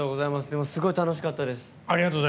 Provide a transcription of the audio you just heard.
でも、すごい楽しかったです。